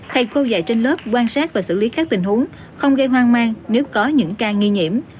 thầy cô dạy trên lớp quan sát và xử lý các tình huống không gây hoang mang nếu có những ca nghi nhiễm